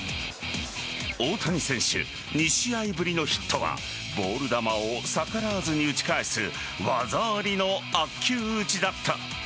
大谷選手、２試合ぶりのヒットはボール球を逆らわずに打ち返す技ありの悪球打ちだった。